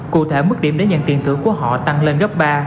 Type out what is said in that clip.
cụ thể mức điểm để nhận tiền thưởng của họ tăng lên gấp ba